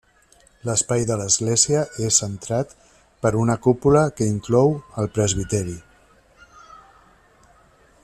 L'espai de l'església és centrat per una cúpula que inclou el presbiteri.